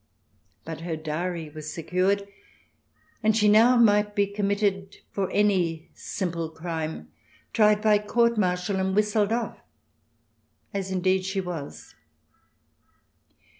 But her dowry was secured, and she now might be committed for any simple crime, tried by court martial, and whistled off, as indeed she was.